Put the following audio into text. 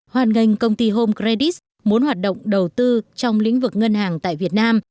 hoàn ngành công ty home credit muốn hoạt động đầu tư trong lĩnh vực ngân hàng tại việt nam